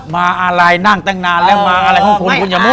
มาอะไรนั่งตั้งนานแล้วมาอะไรของคุณคุณอย่าโม่